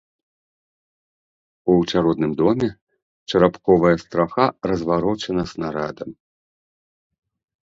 У чародным доме чарапковая страха разварочана снарадам.